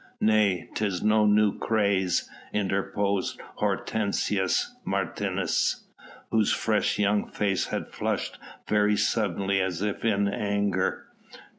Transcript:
"Nay, 'tis no new craze," interposed Hortensius Martius, whose fresh young face had flushed very suddenly as if in anger.